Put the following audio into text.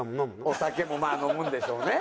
お酒もまあ飲むんでしょうね。